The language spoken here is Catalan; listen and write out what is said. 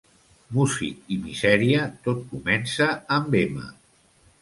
Músic i misèria tot comença amb ema.